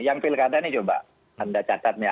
yang pilkada ini coba anda catatnya